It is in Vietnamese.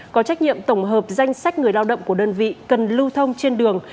có trách nhiệm tổng hợp danh sách người lao động của đơn vị cần lưu thông trên đường